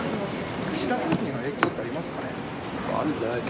岸田政権への影響ってありますかね。